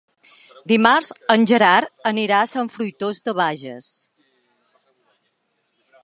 Dimarts en Gerard anirà a Sant Fruitós de Bages.